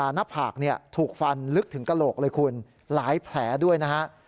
หน้าผากถูกฟันลึกถึงกระโหลกเลยคุณหลายแผลด้วยนะฮะ